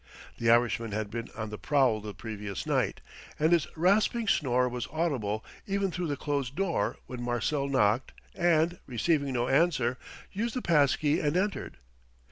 The Irishman had been on the prowl the previous night, and his rasping snore was audible even through the closed door when Marcel knocked and, receiving no answer, used the pass key and entered.